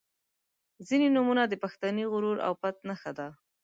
• ځینې نومونه د پښتني غرور او پت نښه ده.